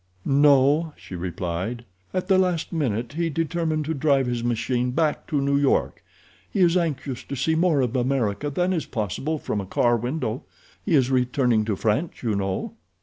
"No," she replied; "at the last minute he determined to drive his machine back to New York. He is anxious to see more of America than is possible from a car window. He is returning to France, you know."